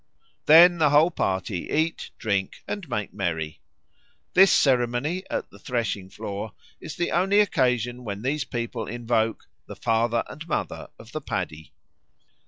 Then the whole party eat, drink, and make merry. This ceremony at the threshing floor is the only occasion when these people invoke "the father and mother of the paddy."